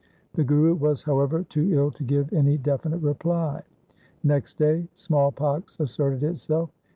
The Guru was, however, too ill to give any definite reply. Next day small pox asserted itself.